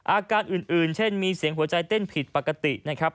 อาการอื่นเช่นมีเสียงหัวใจเต้นผิดปกตินะครับ